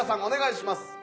お願いします。